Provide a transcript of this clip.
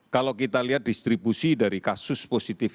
kalau kita lihat distribusi dari kasus positif